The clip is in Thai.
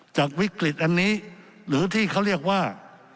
จากวิกฤตอันนี้หรือที่เขาเรียกว่า